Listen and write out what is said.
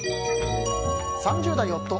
３０代夫。